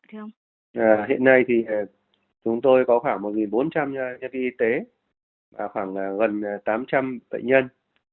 hiện nay thì chúng tôi có khoảng một bốn trăm linh nhân viên y tế và khoảng gần tám trăm linh bệnh nhân